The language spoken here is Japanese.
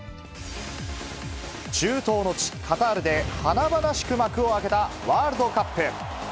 中東の地、カタールで華々しく幕を開けたワールドカップ。